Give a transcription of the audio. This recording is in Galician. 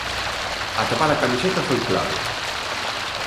Atopar a camiseta foi clave.